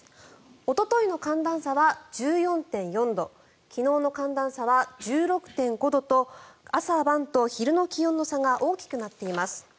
おとといの寒暖差は１４．４度昨日の寒暖差は１６．５度と朝晩と昼の気温の差が大きくなっています。